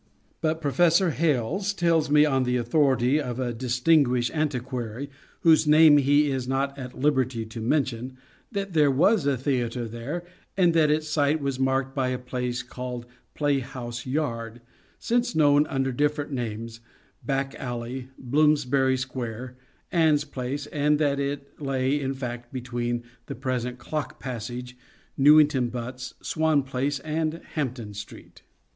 But Professor Hales tells me on the authority of a distinguished antiquary, whose name he is not at liberty to mention, that there was a theatre there, and that its site was marked by a place called Play House Yard, since known under different names — Back Alley, Bloomsbury Square, Anne's Place — and that it lay, in fact, between the present Clock Passage, Newington Butts, Swan Place and Hampton Street.